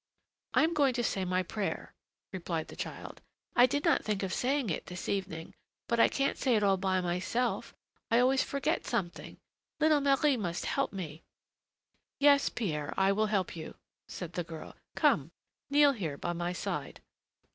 "I am going to say my prayer," replied the child; "I did not think of saying it this evening. But I can't say it all by myself; I always forget something. Little Marie must help me." "Yes, Pierre, I will help you," said the girl. "Come, kneel here by my side."